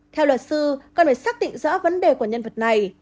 theo luật sư cần phải xác định rõ vấn đề của nhân vật này